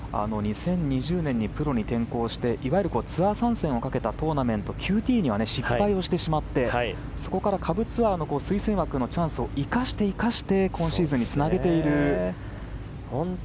２０２０年にプロに転向していわゆるツアー参戦をかけたトーナメント、ＱＴには失敗してしまってそこから下部ツアーの推薦枠のチャンスを生かして生かして今シーズンにつなげている。